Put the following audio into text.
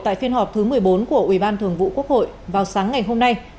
tại phiên họp thứ một mươi bốn của ủy ban thường vụ quốc hội vào sáng ngày hôm nay